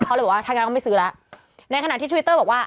เขาเลยบอกว่าถ้างั้นก็ไม่ซื้อแล้วในขณะที่ทวิตเตอร์บอกว่า